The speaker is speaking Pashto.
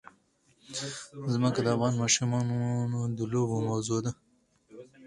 ځمکه د افغان ماشومانو د لوبو موضوع ده.